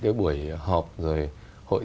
cái buổi họp rồi hội